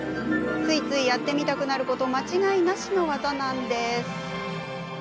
ついつい、やってみたくなること間違いなしの技なんです。